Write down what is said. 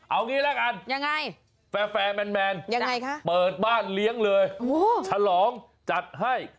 เอางี้แล้วกันแฟร์แฟร์แมนเปิดบ้านเลี้ยงเลยชะลองจัดให้